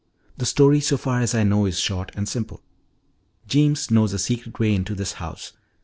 "The story, so far as I know, is short and simple. Jeems knows a secret way into this house.